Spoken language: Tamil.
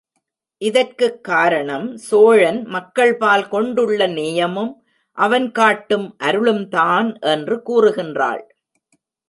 இதற்குக் காரணம் சோழன் மக்கள்பால் கொண்டுள்ள நேயமும், அவன் காட்டும் அருளும்தான் என்று கூறுகின்றாள்.